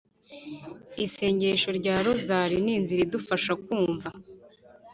isengesho rya rozali ni inzira idufasha kumva